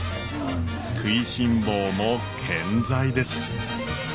食いしん坊も健在です。